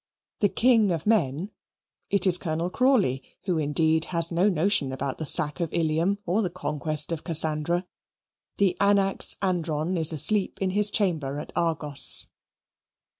The king of men (it is Colonel Crawley, who, indeed, has no notion about the sack of Ilium or the conquest of Cassandra), the anax andron is asleep in his chamber at Argos.